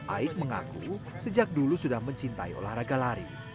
aik mengaku sejak dulu sudah mencintai olahraga lari